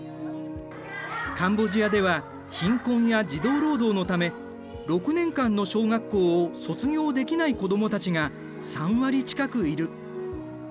カンボジアでは貧困や児童労働のため６年間の小学校を卒業できない子どもたちが３割近くいる。